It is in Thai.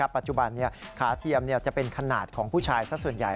ปัจจุบันขาเทียมจะเป็นขนาดของผู้ชายสักส่วนใหญ่